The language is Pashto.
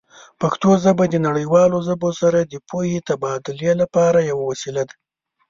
پښتو ژبه د نړیوالو ژبو سره د پوهې تبادله لپاره یوه وسیله ده.